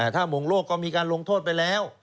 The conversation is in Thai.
ถ้ามงโลกก็มีการลงโทษไปแล้ว